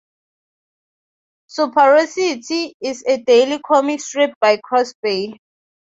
"Superosity" is a daily comic strip by Crosby.